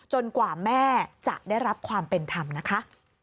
กว่าแม่จะได้รับความเป็นธรรมนะคะ